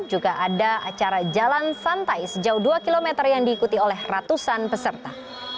juga ada acara jalan santai sejauh dua km yang diikuti oleh ratusan peserta